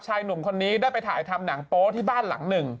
หนุ่มคนนี้ได้ไปถ่ายทำหนังโป๊ที่บ้านหลังหนึ่ง